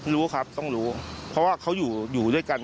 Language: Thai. รู้ครับต้องรู้เพราะว่าเขาอยู่ด้วยกัน